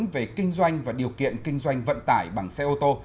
về kinh doanh và điều kiện kinh doanh vận tải bằng xe ô tô